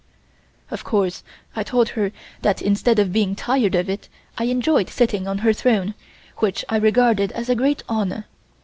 Of course, I told her that instead of being tired of it, I enjoyed sitting on Her Throne, which I regarded as a great honor.